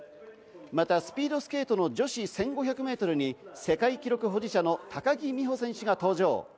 また、スピードスケートの女子１５００メートルに世界記録保持者の高木美帆選手が登場。